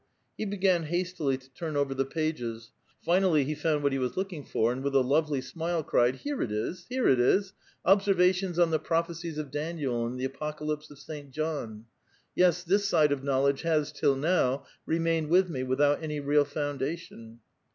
He began hastily irn over the pages ; finally he found what he was looking and with a lovely smile cried :" Here it is, here it is !— 3rvations on the Prophesies of Daniel and the Apoca e of St. John.^ Yes, this side of knowlc dge has, till , remained with me without any real foundation.